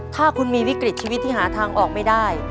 ถ้าคุณมีวิกฤตชีวิตที่หาทางออกไม่ได้